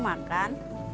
ibu mau makan